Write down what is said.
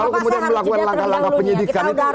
lalu kemudian melakukan langkah langkah penyidikan